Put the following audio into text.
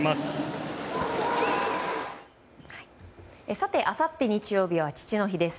さて、あさって日曜日は父の日です。